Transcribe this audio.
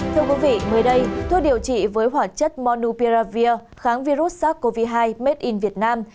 thưa quý vị mới đây thuốc điều trị với hoạt chất monupiravir kháng virus sars cov hai made in việt nam